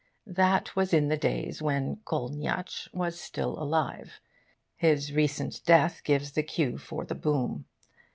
That was in the days when Kolniyatsch was still alive. His recent death gives the cue for the boom.